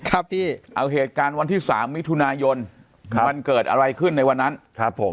ครับที่เอาเหตุการณ์วันที่สามมิถุนายนค่ะมันเกิดอะไรขึ้นในวันนั้นครับผม